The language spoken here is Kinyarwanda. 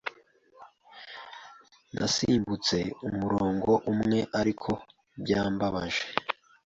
Nasimbutse umurongo umwe ariko byambabaje